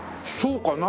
そうか。